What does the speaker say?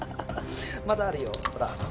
まだあるよほら。